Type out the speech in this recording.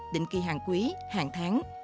định kỳ hàng quý hàng tháng